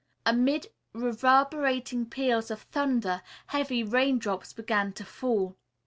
Amid reverberating peals of thunder, heavy raindrops began to fall.